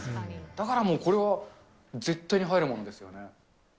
だからこれはもう、絶対にはやるもんですよね。